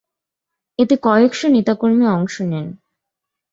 এতে কয়েক শ নেতা কর্মী অংশ নেন।